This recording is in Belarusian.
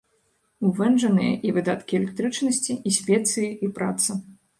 У вэнджанае і выдаткі электрычнасці, і спецыі, і праца.